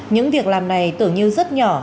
những việc làm này tưởng như rất nhỏ